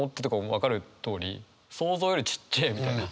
分かるとおり想像よりちっちぇえみたいな。